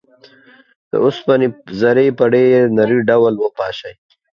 د اوسپنې ذرې په ډیر نري ډول وپاشئ.